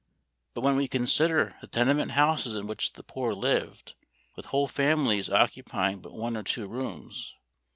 But when we consider the tenement houses in which the poor lived, with whole families occupying but one or two rooms (pp.